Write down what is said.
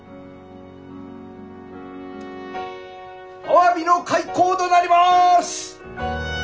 アワビの開口となります！